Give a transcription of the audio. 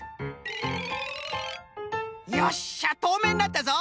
よっしゃとうめいになったぞ！